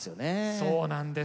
そうなんです。